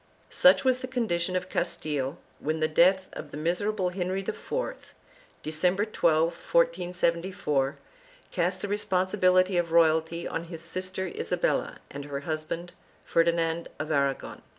Such was the condition of Castile when the death of the miser able Henry IV, December 12, 1474, cast the responsibility of royalty on his sister Isabella and her husband, Ferdinand of Aragon.